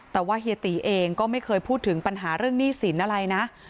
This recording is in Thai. แต่ว่าเฮียตีเองก็ไม่เคยพูดถึงปัญหาเรื่องหนี้สินอะไรนะ